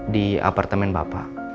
di apartemen bapak